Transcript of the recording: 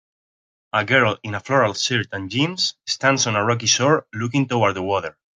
A girl in a floral shirt and jeans stands on a rocky shore looking toward the water